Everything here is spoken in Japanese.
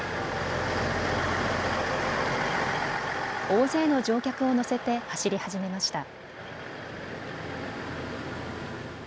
大勢の乗客を乗せて走り始めました。